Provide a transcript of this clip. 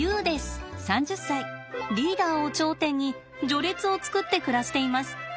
リーダーを頂点に序列を作って暮らしています。